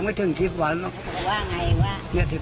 อย่าทิ้งไปไหนนะ